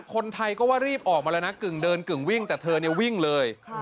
คนไทยก็ว่ารีบออกมาแล้วนะกึ่งเดินกึ่งวิ่งแต่เธอเนี่ยวิ่งเลย